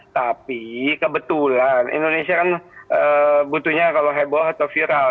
tapi kebetulan indonesia kan butuhnya kalau heboh atau viral